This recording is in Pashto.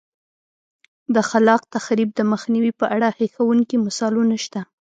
د خلاق تخریب د مخنیوي په اړه هیښوونکي مثالونه شته